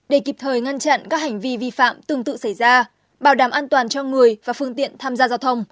để kịp thời ngăn chặn các hành vi vi phạm tương tự xảy ra bảo đảm an toàn cho người và phương tiện tham gia giao thông